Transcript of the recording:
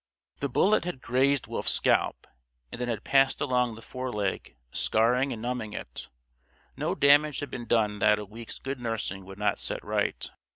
The bullet had grazed Wolf's scalp and then had passed along the foreleg; scarring and numbing it. No damage had been done that a week's good nursing would not set right.